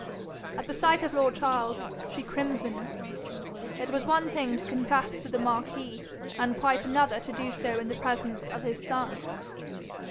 At the sight of lord Charles, she crimsoned: it was one thing to confess to the marquis, and quite another to do so in the presence of his son.